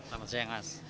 selamat siang mas